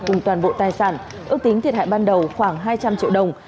cùng toàn bộ tài sản ước tính thiệt hại ban đầu khoảng hai trăm linh triệu đồng